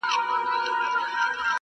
یوه شېبه دي له رقیبه سره مل نه یمه -